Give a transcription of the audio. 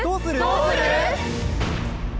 どうする？